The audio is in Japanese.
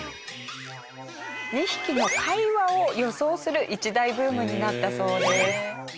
２匹の会話を予想する一大ブームになったそうです。